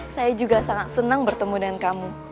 saya juga sangat senang bertemu dengan kamu